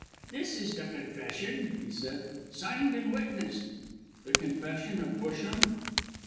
"This is the confession," he said, "signed and witnessed." "The confession of Busham?"